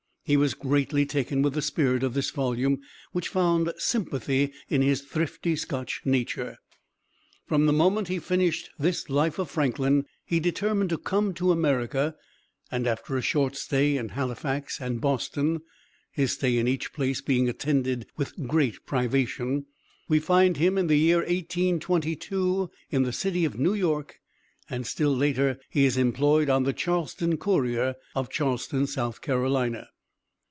He was greatly taken with the spirit of this volume which found sympathy in his thrifty Scotch nature. From the moment he finished this life of Franklin he determined to come to America, and after a short stay in Halifax, and Boston, his stay in each place being attended with great privation, we find him in the year 1822 in the city of New York, and still later he is employed on the Charleston Courier, of Charleston, South Carolina.